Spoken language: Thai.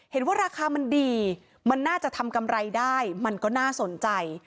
เห็นว่าราคามันดีมันน่าจะทำกำไรได้มันก็น่าสนใจ